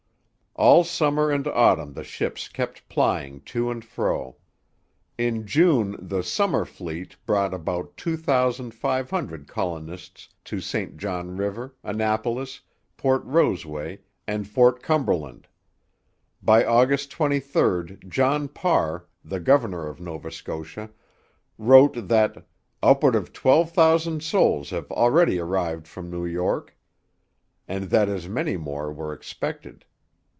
All summer and autumn the ships kept plying to and fro. In June the 'summer fleet' brought about 2,500 colonists to St John River, Annapolis, Port Roseway, and Fort Cumberland. By August 23 John Parr, the governor of Nova Scotia, wrote that 'upward of 12,000 souls have already arrived from New York,' and that as many more were expected.